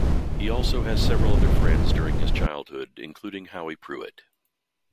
He also has several other friends during his childhood including Howie Pruitt.